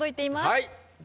はい。